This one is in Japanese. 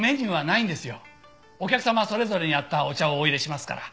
お客様それぞれに合ったお茶をお淹れしますから。